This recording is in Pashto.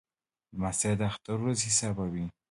لمسی د اختر ورځې حسابوي.